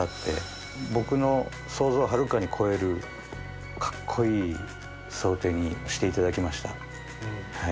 僕の想像をはるかに超えるカッコイイ装丁にしていただきました。